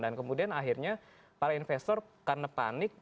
dan kemudian akhirnya para investor karena panik